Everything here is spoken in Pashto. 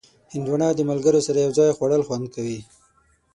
هندوانه د ملګرو سره یو ځای خوړل خوند لري.